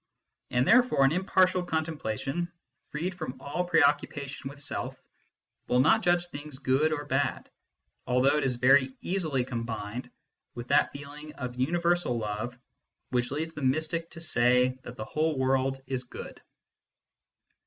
And therefore an impartial contemplation, freed from all pre occupation with Self, will not judge things good or bad, although it is very easily combined with that feeling of universal love which leads the mystic to say that the whole world is good.